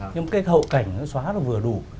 nhưng cái hộ cảnh nó xóa được vừa đủ